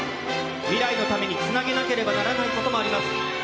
未来のためにつなげなければならないこともあります。